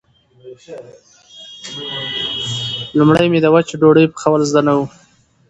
لومړی مې د وچې ډوډۍ پخول زده نه و.